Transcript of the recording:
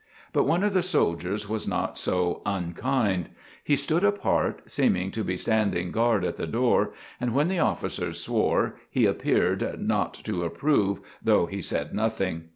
But one of the soldiers was not so unkind. He stood apart, seeming to be standing guard at the door, and when the officer swore he appeared not to approve, though he said nothing.